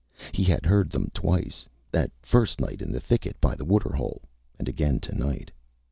He had heard them twice, that first night in the thicket by the waterhole and again tonight.